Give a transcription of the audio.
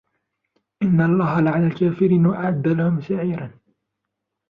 إِنَّ اللَّهَ لَعَنَ الْكَافِرِينَ وَأَعَدَّ لَهُمْ سَعِيرًا